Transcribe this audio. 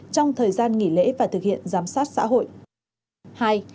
trong thời gian nghỉ lễ và thực hiện giám sát xã hội